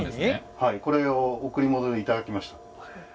はいこれを贈り物でいただきました。